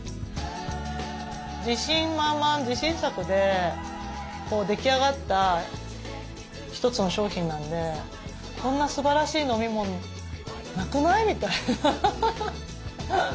自信満々自信作で出来上がった一つの商品なんでこんなすばらしい飲み物なくない？みたいな。